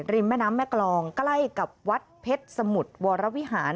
แม่น้ำแม่กรองใกล้กับวัดเพชรสมุทรวรวิหาร